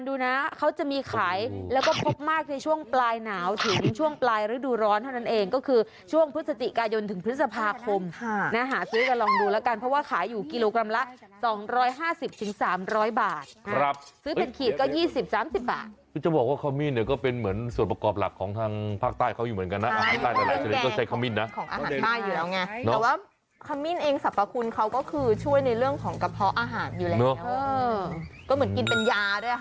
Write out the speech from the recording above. ดูมาหลายเรื่องของของกินมันน่ากินน่าทานมากเลยอ่ะ